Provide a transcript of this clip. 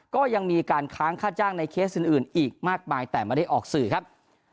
ก็ยังมีการค้างค่าจ้างในเคสอื่นอีกมากมายแต่ไม่ได้ออกสื่อครับ